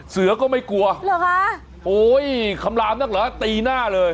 เสือก็ไม่กลัวเหรอคะโอ้ยคำลามนักเหรอตีหน้าเลย